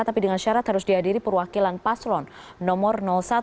tapi dengan syarat harus dihadiri perwakilan paslon nomor satu